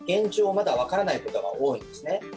まだわからないことが多いんですね。